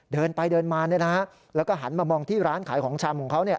เดินไปเดินมาแล้วก็หันมามองที่ร้านขายของชำของเขา